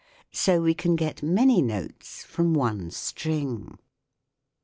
So we can get many notes from one string.